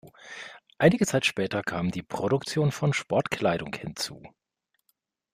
Einige Zeit später kam die Produktion von Sportkleidung hinzu.